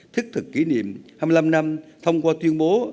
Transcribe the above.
thức thực kỷ niệm hai mươi năm năm thông qua tuyên bố